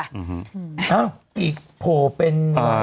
เอ้าอีกโผล่เป็น